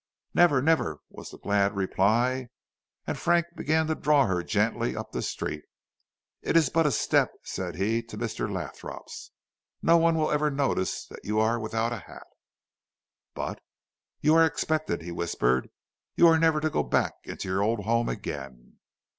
"Never, never," was the glad reply. And Frank began to draw her gently up the street. "It is but a step," said he, "to Mr. Lothrop's; no one will ever notice that you are without a hat." "But " "You are expected," he whispered. "You are never to go back into your old home again."